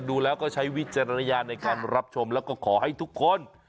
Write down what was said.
ดูแล้วก็ใช้วิจารณญาณในการรับชมแล้วก็ขอให้ทุกคน